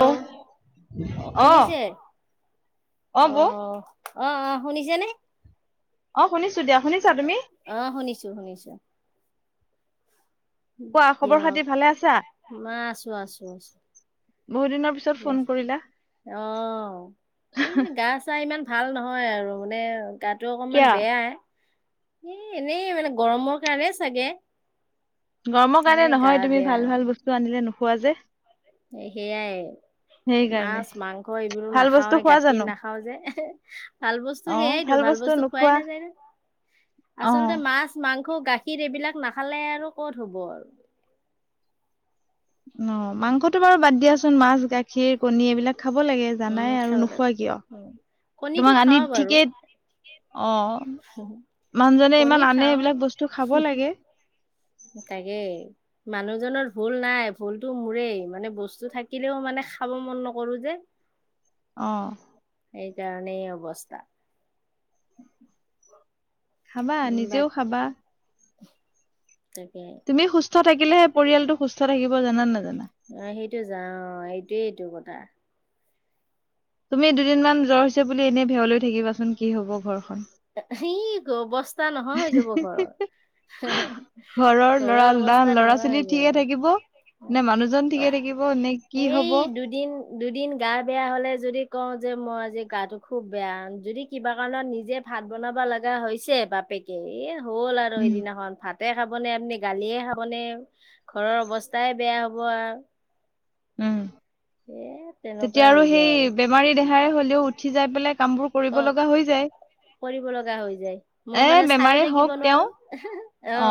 অ অ' শুনিছে অ' অ' আহ শুনিছানে? অ' শুনিছো দিয়া শুনিছা তুমি? শুনিছো শুনিছো কোৱা খবৰ খাতি দিয়ক ভালে আছা মই আছো আছো, আছো। বহুত দিনৰ ভ পিছত আ ফোন কৰিলা আহ ই গা চা ইমান ভাল নহয় আৰু মানে গাটো অকনমান কিয়া বেয়াই এ এনেই মানে গৰমৰ কাৰণে চাগে, গৰমৰ কাৰণে সেইকাৰণে গা নহয়। তুমি ভাল ভাল বস্তু আনিলে নোখোৱা যে। সেইয়াই। সেইকাৰণে মাছ-মাংস এইবোৰো ভাল বস্তু নাখাওৱে, খোৱা গাখীৰ জানো নাখাও যে। ভাল বস্তু সেয়াইতো, ভাল বস্তু খোৱাই নাযায় ন। অ আচলতে মাছ, মাংস, গাখী এইবিলাক নাখালে আৰু ক'ত হ'ব আৰু। অ মাংসটো বাৰু বাদ দিয়াচোন। মাছ, গাখীৰ, কণী এইবিলাক খাব লাগে, উম, জানাই আৰু খাব লাগে নোখোৱা কিয়? উম, কণীটো তোমাক আনি খাওঁ বাৰু ঠিকেই অ মানুহজনে কণী ইমান আনে এইবিলাক বস্তু খাব লাগে। তাকেই মানুহজনৰ ভুল নাই, ভুলতো মোৰেই। মানে বস্তু থাকিলেও মানে খাব মন নকৰো যে। অ। এইকাৰণেই এই অৱস্থা। [inaudible] খাবা উম, বাক নিজেও খাবা। তাকে। তুমি সুস্থ থাকিলেহে পৰিয়ালটো সুস্থ থাকিব। জানা নে নেজানা? অ সেইটো যাওঁ অ এইটোয়েইটো কথা। তুমি দুদিনমান জ্বৰ হৈছে বুলি এনেই ভেয়লৈ থাকিবাচোন কি হব ঘৰখন। সি গ অৱস্থা নোহোৱা হৈ যাব ঘৰৰ। ল'ৰা ঘৰৰ না অৱস্থা ল'ৰা নোহোৱা ছোৱালী হৈ ঠিকে থাকিব যাব। নে মানুহজন ঠিকে থাকিব নে কি এই হব? দুদিন দুদিন গা বেয়া হ'লে যদি কওঁ যে মই আজি গাটো খুব বেয়া যদি কিবা কাৰণত নিজে ভাত বনাব লগা হৈছে বাপেকে। এই হ'ল আৰু উম সেইদিনাখন ভাত। ভাতে খাব নে আপনি, গালিয়ে খাবনে, ঘৰৰ অৱস্থাই বেয়া হ'ব আৰ। উম। তেতিয়া হৈ আৰু যায় সেই বেমাৰী দেহাৰে হ'লেও উঠি যাই পেলাই কামবোৰ অ কৰিব লগা হৈ যায়। কৰিব লগা হৈ যায়। মই এ মানে চাইও বেমাৰে হওক থাকিব তেওঁ নোৱাৰো। অ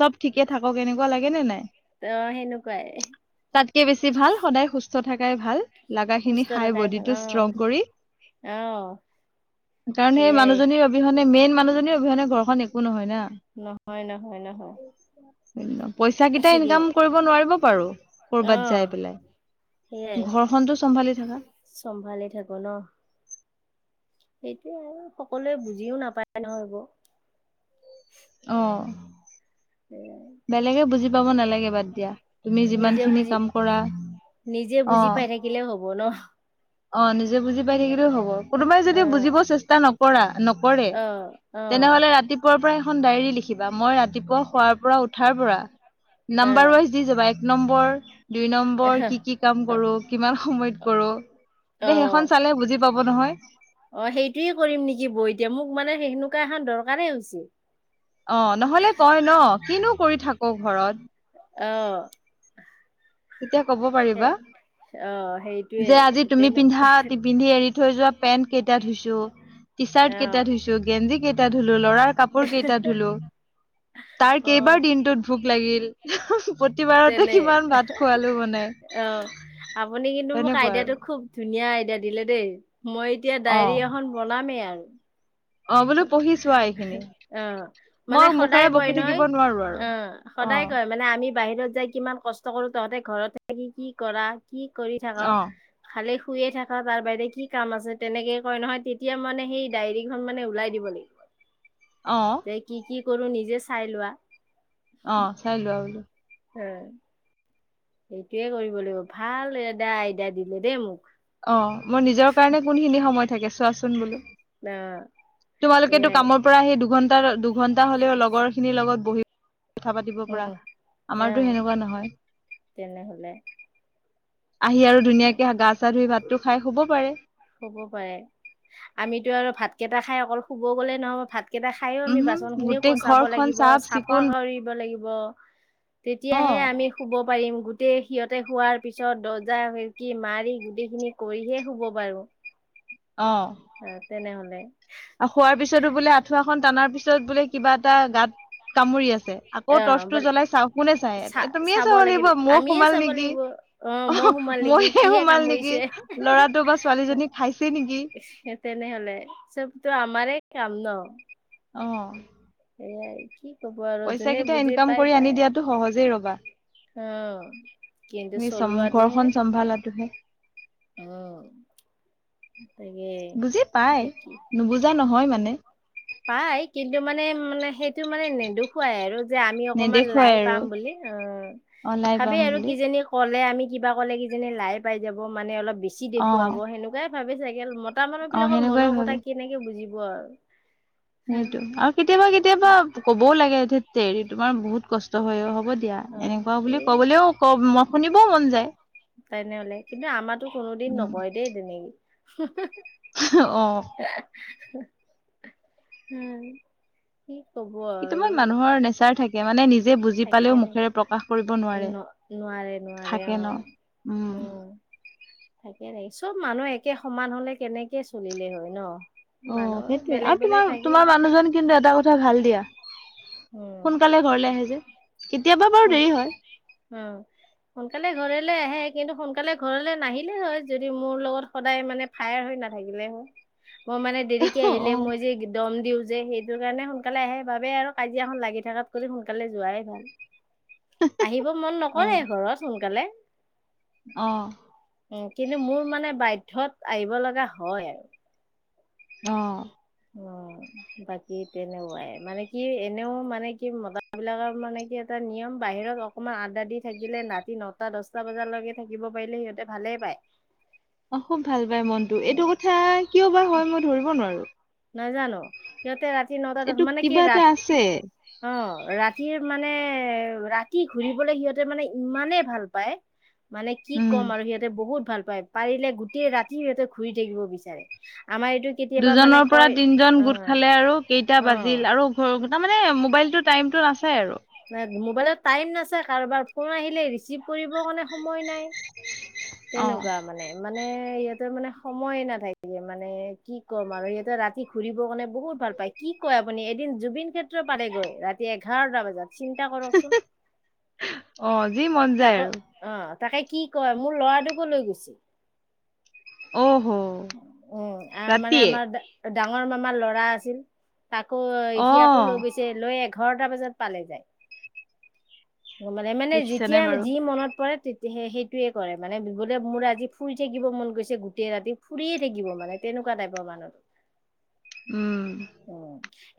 চব ঠিকে থাকক। এনেকুৱা লাগে নে নাই? ত সেনেকুৱাই তাতকে বেছি ভাল সদায় সুস্থ থাকাই ভাল। লাগা খিনি সুস্থ খাই থকাই ভাল বডিটো অ ষ্ট্ৰং কৰি অ কাৰণ সেই সেয়াই মানুহজনীৰ অবিহনে মেইন মানুহজনীৰ অবিহনে ঘৰখন একো নহয় না। নহয়-নহয়-নহয়। পইচা কিটা ইনকাম কৰিব নোৱাৰিব পাৰো অ কৰবাত যাই পেলাই। সেইয়াই, ঘৰখনতো চম্ভালি থাকা চম্ভালি থাকো ন। সেইটোৱে আৰু সকলোৱে বুজিও নাপায় নহয় এইবোৰ। অ এ বেলেগে বুজি পাব নালাগে বাদ দিয়া। তুমি যিমান নিজে খিনি বুজি কাম কৰা নিজে অ বুজি পাই থাকিলে হ'ব ন। অ নিজে বুজি পাই থাকিলেও হ'ব। কোনোবাই যদি অ', বুজিব চেষ্টা নকৰা নকৰে। অ', অ', তেনেহলে ৰাতিপুৱাৰ পৰা এখন ডায়েৰী লিখ কিবা মই ৰাতিপুৱা শোৱাৰ পৰা উঠাৰ পৰা নাম্বাৰ অ', ৱাইজ দি যাবা এক নম্বৰ দুই নম্বৰ কি কি কাম অ', কৰো, কিমান সময়ত কৰো, তে অ'। সেইখন চালে বুজি পাব নহয়। অ সেইটোৱে কৰিম নেকি বৈ। এতিয়া মোক মানে সেনেকুৱা এখন দৰকাৰেই হৈছি। অ নহলে কয় ন কিনো কৰি থাক' ঘৰত? অহ। এতিয়া কব পাৰিবা অ', সেইটোয়ে যে আজি তুমি তেনে পিন্ধা তিপিন্ধি এৰি থৈ যোৱা পেন্ট কেইটা ধুইছোঁ, টি চাৰ্ট কেইটা অ', ধুইছোঁ, গেঞ্জি কেইটা ধো- ল'ৰাৰ কাপোৰ কেইটা ধুলো। তাৰ অ', কেইবাৰ দিনটোত ভোক লাগিল। প্ৰতিবাৰতে তেনে কিমান ভাত খোৱালো মানে অ আপুনি কিন্তু মোক তেনেকুৱা আৰু আইডিয়াটো খুব ধুনীয়া আইডিয়া দিলে দেই। মই এতিয়া অ ডায়েৰী এখন বনামেই আৰ। অ বোলো পঢ়ি চোৱা এইখিনি অ মানে মই সদায় মুখেৰে কয় বকি থাকিব নহয় নোৱাৰো আৰু আহ সদ অ সদাই কয় মানে আমি। বাহিৰত যাই কিমান কষ্ট কৰো তহতে ঘৰত থাকি কি কৰা কি কৰি থাক অ খালে। শুয়ে থাকা তাৰ বাহিৰে কি কাম আছে তেনেকৈ কয় নহয় তেতিয়া মানে সেই ডায়েৰীখন মানে ওলাই দিব লাগিব অ তে কি কি কৰো নিজে চাই লোৱা। অ চাই লো আৰু লো উম এইটোৱে কৰিব লাগিব ভাল এটা আইডা দিলে দেই মোক অ মই নিজৰ কাৰণে কোনখিনি সময় থাকে চোৱাচোন বোলো। অ', তোমালোকেটো সেয়াই কামৰ পৰা সেই দুঘন্টা দুঘন্টা হলেও লগৰ খিনিৰ লগত বহি কথা পাতিব পৰা উম, আমাৰটো অ', সেনেকুৱা নহয়। তেনেহলে আহি আৰু উম, ধুনীয়াকে গা চা ধুই ভাতটো খাই শুব পাৰে। হ'ব পাৰে আমিতো আৰু ভাতকেইটা খাই অকল শুব গ'লেই নহব ভাত কেইটা খায়ো আমি উমহম বাচন খিনিও গোটেই কচাব ঘৰখন লাগিব চাফ চাফা চিকুণ কৰিব লাগিব। অ তেতিয়াহে আমি শুব পাৰিম গুড গোটেই সিহতে শোৱাৰ পিছত দৰ্জা খিৰিকী মাৰি গোটেই খিনি কৰিহে শুব পাৰোঁ। এ তেনেহলে আৰু খোৱাৰ পিছতো বোলে আঠুৱাখন টানাৰ পিছত বোলে কিবা এটা গাত কামুৰি আছ- আকৌ টৰ্চটো অ জ্বলাই চাওঁ কোনে চাই চা তুমিয়ে চাব লাগিব লাগিল মহ আমিয়ে সোমাল চাব নেকি লাগিব মই অ সোমাল নেকি মহে কিহে সোমাল নেকি কামুৰিছে ল'ৰাটো বা ছোৱালীজনী খাইছে নেকি? চবটো আমাৰে কাম ন। অ সেয়াই কি কব আৰু পইচা যোনে কেইটা বুজি ইনকাম পাই কৰি আনি পায়। দিয়াতো সহজেই ৰবা অ কিন্তু তুমি চম চলোৱাটোহে ঘৰখন চম্ভালাটোহে উ বুজি পাই কি নুবুজা নহয় মানে। পাই কিন্তু মানে মানে সেইটো মানে নেদুখুৱাই আৰু। যে আমি অকমান নেদেখুৱাই লাই আৰু পাম বুলি অ অ লাই ভাবি পাম আৰু বুলি কিজি ক'লে আমি। কিবা ক'লে কিজানী লাই পাই যাব মানে অলপ বেছি অ দেখুৱাব সেনেকুৱাই ভাবে চাগে ম কত মানুহ অ বিলাকৰ সেনেকুৱাই মনৰ কথা ভাবে কেনেকে বুজিব আৰু সেইটো আৰু কেতিয়াবা কেতিয়াবা কবও লাগে ধেৎতেৰি তোমাৰ বহুত কষ্ট হয় হ'ব। এতিয়া অ এনেকুৱা বুলি এই কবলৈও ক মই শুনিবও মন যায়। তেনেহলে কিন্তু আমাটো কোনোদিন উম নকয় দেই তেনেকে অ উম কি? কব আৰু কিছুমান মানুহৰ নেচাৰ থাকে। মানে নিজ যে বুজি পালেও মুখেৰে প্ৰকাশ কৰিব নোৱাৰে ন থাকে ন উম অহ থাকে নি চব মানুহ একে সমান হলে কেনেকে চলিলে হয় ন। অ মানুহ সেইটোৱে বেলেগ আৰু বেলেগ তোমাৰ থাকে তোমাৰ মানুহজন কিন্তু এটা কথা ভাল দিয়া। সোনকালে ঘৰলে আহে যে। কেতিয়াবা বাৰু উ দেৰি হয় সোনকালেই ঘৰ। আহে কিন্তু সোনকালে ঘৰলৈ নাহিলে হয় যদি মোৰ লগত সদায় মানে ফায়াৰ হৈ নাথাকিলে হয় মই মানে দেৰিকে অ অ আহিলে মই যে দম দিওঁ যে সেইটো কাৰণে সোনকালে আহে বাবে আৰু কাজিয়াখন লাগি থকাত কৰি সোনকালে যোৱাই ভাল। আহিব মন নকৰে ঘৰত সোনকালে। অ উ কিন্তু মোৰ মানে বাধ্যয়ত আহিব লগা হয় আৰু অ। অ। বাকী তেনেকুৱাই। মানে কি এনেও মানে কি মতা বিলাকৰ মানে কি এটা নিয়ম বাহিৰ ত অকণমান আডডা দি থাকিলে ৰাতি নটা দচটা বজালৈকে থাকিব পাৰিলে সিহঁতে ভালে পায়। অ খুব ভাল পায় মনটো। এইটো কথা কিয় বা হয় মই ধৰিব নোৱাৰো। নাজানো। সিহঁতে ৰাতি নটা দছ এইটো মানে কি কিবা এটা ৰাতি আছে অ। ৰাতিৰ মানে ৰাতি ঘূৰিবলে সিহঁতে মানে ইমানেই ভাল পায়। মানে কি উম ক'ম আৰু সিহঁতে বহুত ভাল পায়। পাৰিলে গোটেই ৰাতিও সিহঁতে ঘূৰি থাকিব বিচাৰে। আমাৰ এইটো কেতিয়াবা মানে দুজনৰ পৰা কয় তিনজন গোট অ' খালে আৰু কেইটা অ' বাজিল আৰু ঘ তাৰ মানে মোবাইলটোত টাইমটো নাচাই আৰু। না, মোবাইলত টাইম নাচায়। কাৰোবাৰ ফোন আহিলে ৰিচিভ কৰিব কাৰণে সময় নাই, অ তেনেকুৱা মানে। মানে সিহঁতৰ মানে সময়ে নাথাকে। মানে কি ক'ম আৰু সিহঁতে ৰাতি ঘুৰিব কাৰণে বহুত ভাল পাই কি কয় আপুনি। এদিন জুবিন ক্ষেত্ৰ পালেগৈ ৰাতি এঘাৰটা বজাত। চিন্তা কৰকচোন। অ যি মন যায় তাকো আৰু অ তাকে কি কয় মোৰ ল'ৰাটোকো লৈ গৈছিল। অ। উম আহ মানে আমাৰ ডাঙৰ মামাৰ ল'ৰা আছিল। তাকো অ সি আকো লৈ গৈছে লৈ এঘাৰটা বজাত পালে যায়। মানে মানে দেখিছানে যেতিয়া বাৰু যি মনত কৰে তেতিয়াহে সেইটোৱে কৰে। মানে বোলে মোৰ আজি ফুৰি থাকিব মন গৈছে গোটেই ৰাতি। ফুৰিয়ে থাকিব মানে। তেনেকুৱা টাইপৰ মানুহ। উম।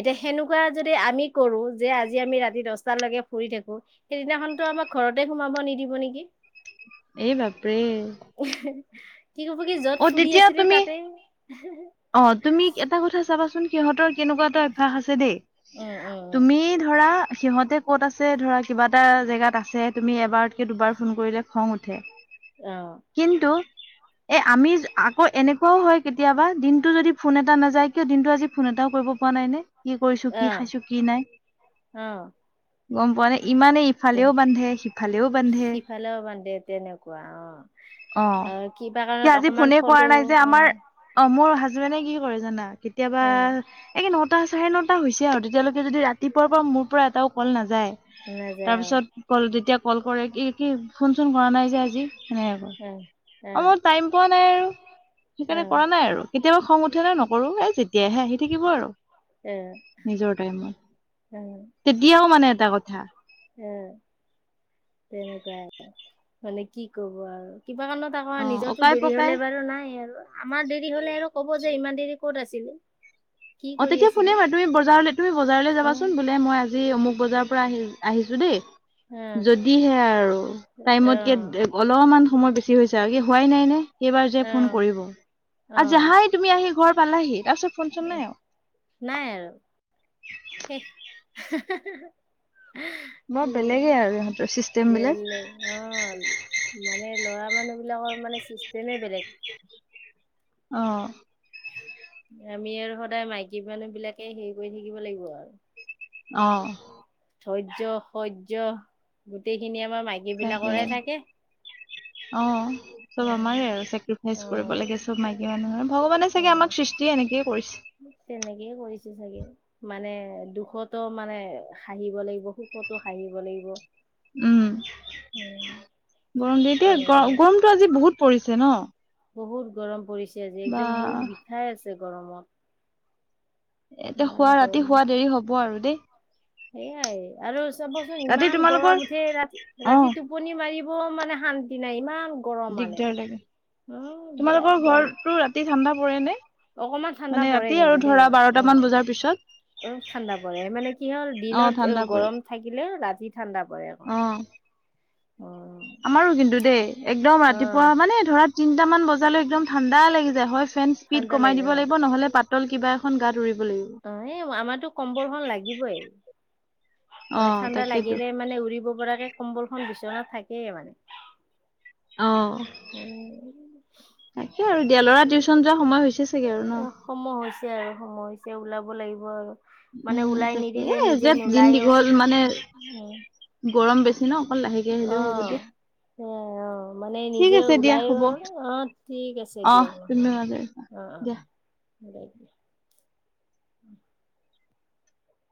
এতিয়া সেনেকুৱা যদি আমি কৰো যে আজি আমি ৰাতি দছটালৈকে ফুৰি থাকো সেইদিনাখনতো ত পৰা ঘৰতে সোমাব নিদিব নেকি? এই বাপৰে। কি ক'ব কি য'ত অ, ফুৰি তেতিয়া আছিলি তুমি তাতে অ তুমি এটা কথা চাবাচোন। সিহঁতৰ কেনেকুৱা এটা অভ্যাস আছে দেই উম উম তুমি ধ ধৰা সিহঁতে ক'ত আছে ধৰা কিবা এটা জেগাত আছে তুমি এবাৰতকে দুবাৰ ফোন কৰিলে খং উঠে। উম অ কিন্তু এ আমি আকৌ এনেকুৱাও হয় কেতিয়াবা। দিনটো যদি ফোন এটা নাযায়। কিয় দিনটো আজি ফোন এটাও কৰিব পৰা নাই নে? কি কৰিছো, অ কি খাইছো কি নাই, গম পোৱা নাই। দে বান্ধে সিফালেও বাদ্ দে তেনেকুৱা অ। অ কি? কাৰণত আজি অকমান ফোনে ফটো কৰা নাই যে আমাৰ, অ মোৰ হাজবেডে কি কৰে জানা কেতিয়াবা অ এইে নটা চাৰে নটা হৈছে আৰু তেতিয়ালৈকে যদি ৰাতিপুৱাৰ পৰা মোৰ পৰা এটাও কল না। যায় নাযায় তাৰ আৰু পিছত কল তেতিয়া কল কৰে কি কি ফোন চোন কৰা নাই যে আজি। সেনেকে কয়, অ মই টাইম পোৱা নাই আৰু অ সেইকাৰণে কৰা নাই আৰু। কেতিয়াবা খং উঠিলে নকৰো। এ যেতিয়াহে আহি থাকিব আৰু এ নিজৰ টাইমত। এ তেতিয়াও মানে এটা কথা। এ তেনেকুৱাই। মানে কি কব আৰু। কিবা কাৰণত আকৌ অ নিজৰটো অকাই দেৰি পকাই হলে বাৰু নাই আৰু। আমাৰ দেৰি হলে আৰু ক'ব যে ইমান দেৰি ক'ত আছ দিলো। অ তেতিয়া শুনে আৰু তুমি বজাৰলে তুমি বজাৰলে অ যাবাচোন বোলে মই আজি অমুক বজাৰৰ পৰা আহি আহিছো দেই। অ যদিহে আৰু অ টাইমতকে অলপমান সময় বেছি হৈছে আৰু কি হোৱাই নাই নে? কেইবাৰ যে অ ফোন কৰিব, অ আৰু জাহাই তুমি আহি ঘৰ পালাহি তাৰপিছত ফোনচোন নাই আও। নাই আৰু। শেষ [unintelligible] এ বৰ বেলেগে আৰু ইহঁতৰ চিষ্টেম বিলাক বেলেগ অ মানে লৰা মানুহ বিলাকৰ মানে চিষ্টেমে বেলেগ। উ [unintelligible] অঁ আমি আৰু সদায় মাইকী মানুহ বিলাকে হেৰি কৰি থাকিব লাগিব আৰু। অঁ ধৈৰ্য্য সৰ্য গোটেইখিনি আমাৰ মাইকী তাকে বিলাকৰহে থাকে। অ চব উম আমাৰে আৰু চেক্ৰিফাইচ কৰিব অ লাগে চব মাইকী মানুহৰে ভগৱানে চাগে আমাক উম সৃষ্টি এনেকে কৰিছে। তেনেকেই কৰিছে চাগে মানে দুখতো মানে হাঁহিব লাগিব সুখতো হাঁহিব লাগিব উম উম গৰম দ এতিয়া গ তেনেকুৱাই গৰমতটো আজি বহুত পৰিছে ন বহুত গৰম পৰিছে আজি বা একদম মূৰ বিষাই আছে গৰমত এতিয়া ইমান খুৱ গৰম ৰাতি শুৱা দেৰি হব আৰু দেই। সেইয়াই আৰু চাবচোন ৰাতি ইমান তোমালোকৰ গৰম উঠে ৰাতি অ ৰাতি টোপনি মাৰিব। মানে শান্তি নাই ইমান। গৰম মানে দিগদাৰ লাগে উম বিৰাট তোমালোকৰ গৰম ঘৰতো ৰাতি ঠাণ্ডা পৰে নে? অকমান ঠাণ্ডা মানে ৰাতি আৰু ধৰা বাৰটা মান বজাৰ পিছত অ ঠাণ্ডা পৰে, মানে কি হ'ল অ দিনত এ ঠাণ্ডা পৰে গৰম থাকিলে ৰাতি ঠাণ্ডা পৰে অকণ। অ অ আমাৰো কিন্তু দেই একদম অ ৰাতিপুৱা মানে ধৰা তিনিট মান বজালৈ ছএকদম ঠাণ্ডা লাগি যায় হয় ফেন স্পীড ঠাণ্ডা কমাই লাগে দিব অ লাগিব নহ'লে পাতল কিবা। এখন গাত উৰিব লাগিব। অ এই আমাৰতো কম্বলখন লাগিবই। অ মানে ঠাণ্ডা তাকেইতো লাগিলে মানে উৰিব পৰাকে কম্বলখন বিচনাত থাকেই মানে। অ অ তাকে আৰু দিয়া ল'ৰা টিউচন যোৱা সময় হৈছে চাগে আৰু ন? সময় হৈছে হৈছে ওলাব লাগিব আৰু। মানে উম ওলাই তাকে নিদিলে এ নিজে যে দিন নোলায়ো। দীঘল মানে গৰম বেছি ন অকল লাহেকে আহিলেও হ'ব দিয়া এ অ মানে ঠিক নিজে আছে দিয়া ওলাই হ'ব ও অ ঠিক আছে অ দিয়ক নহয়। তুমিও আজৰি হোৱা দিয়া। সে [unintelligible]